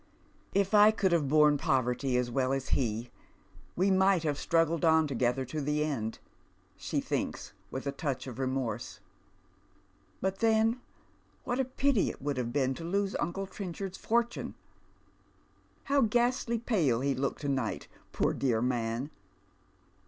" If I could have borne poverty as well as he, we might have Bi.ruggled on together to the end," she thinks, with a touch of remorse. " But then what a pity it would have been to lose uncle 'i'i enchard's fortune ! How ghastly pale he looked to night, poor (ioar man